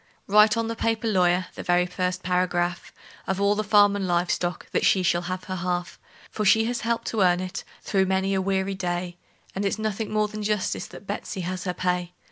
Write on the paper, lawyer the very first paragraph Of all the farm and live stock that she shall have her half; For she has helped to earn it, through many a weary day, And it's nothing more than justice that Betsey has her pay.